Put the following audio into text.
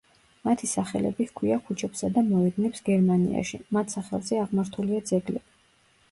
მათი სახელები ჰქვია ქუჩებსა და მოედნებს გერმანიაში, მათ სახელზე აღმართულია ძეგლები.